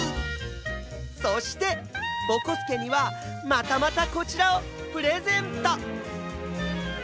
そしてぼこすけにはまたまたこちらをプレゼント！